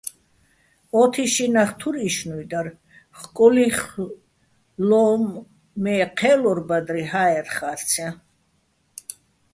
ო თიშიჼ ნახ თურ იშშნუჲ დარ, ხკოლი́ხ ლო́უმო̆ მე ჴე́ლორ ბადრი ჰაერ ხარცჲაჼ.